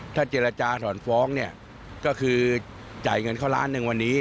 ถ้าเจรจาถอนฟ้องเนี่ยก็คือจ่ายเงินเข้าล้านหนึ่งวันนี้